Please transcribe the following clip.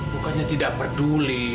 bukannya tidak peduli